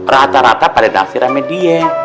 rata rata pada naksir sama dia